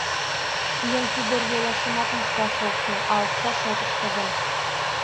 Еҥ тувыр-йолашымат мушкаш ок кӱл, а окса шотышто гын...